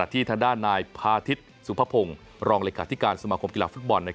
ทางด้านนายพาทิศสุภพงศ์รองเลขาธิการสมาคมกีฬาฟุตบอล